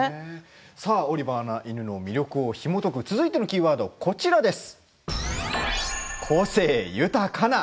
さあ、「オリバーな犬」の魅力をひもとく続いてのキーワード、こちらです。